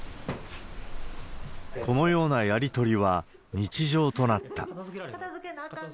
このようなやり取りは日常となった。